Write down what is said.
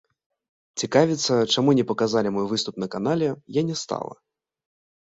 Цікавіцца, чаму не паказалі мой выступ на канале, я не стала.